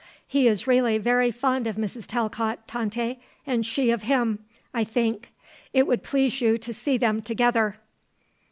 He is really very fond of Mrs. Talcott, Tante, and she of him, I think. It would please you to see them together."